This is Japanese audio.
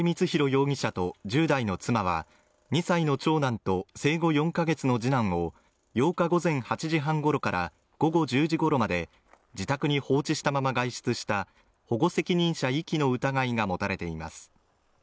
容疑者と１０代の妻は２歳の長男と生後４か月の次男の８日午前８時半ごろから午後１０時ごろまで自宅に放置したまま外出した保護責任者遺棄の疑いが持たれています